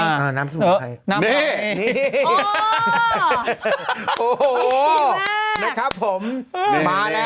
ดีมากนครับผมมาแล้ว